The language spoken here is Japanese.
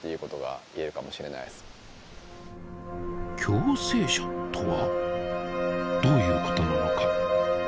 「共生者」とはどういうことなのか。